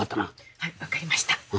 はいわかりました。